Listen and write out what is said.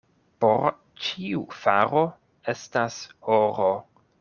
Por ĉiu faro estas horo.